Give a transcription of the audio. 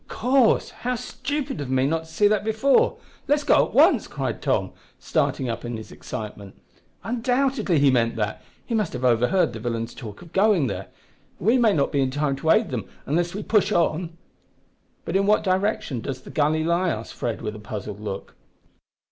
"Of course; how stupid of me not to see that before! Let's go at once!" cried Tom, starting up in excitement. "Undoubtedly he meant that. He must have overheard the villains talk of going there, and we may not be in time to aid them unless we push on." "But in what direction does the gully lie?" asked Fred, with a puzzled look.